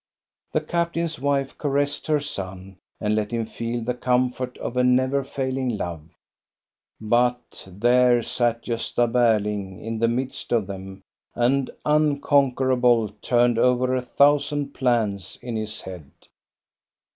The captain's wife caressed her son, and let him feel the comfort of a never failing love. But — there sat Gosta Berling in the midst of them, and, unconquerable, turned over a thousand plans in his head.